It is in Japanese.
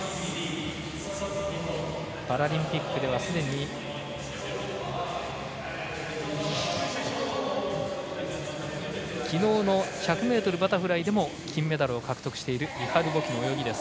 パラリンピックではすでに昨日の１００ｍバタフライでも金メダルを獲得しているイハル・ボキの泳ぎです。